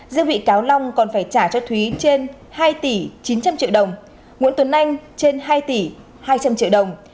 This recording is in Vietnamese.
riêng bị cáo long còn phải trả cho thúy trên hai tỷ chín trăm linh triệu đồng nguyễn tuấn anh trên hai tỷ hai trăm linh triệu đồng